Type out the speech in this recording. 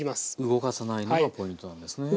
動かさないのがポイントなんですね。